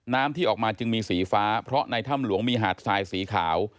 ที่ออกมาจึงมีสีฟ้าเพราะในถ้ำหลวงมีหาดทรายสีขาว